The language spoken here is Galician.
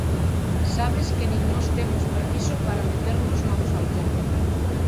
_Sabes que nin nós temos permiso para meternos no de Falcón.